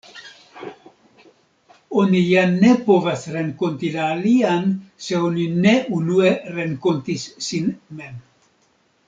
Oni ja ne povas renkonti la alian, se oni ne unue renkontis sin mem.